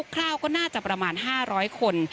คร่าวก็น่าจะประมาณ๕๐๐คน